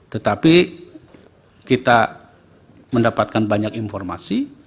tetapi kita mendapatkan banyak informasi